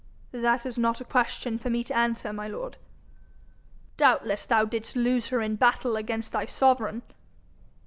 'That is not a question for me to answer, my lord.' 'Doubtless thou didst lose her in battle against thy sovereign.'